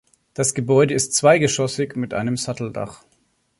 Das Gebäude ist zweigeschossig mit einem Satteldach.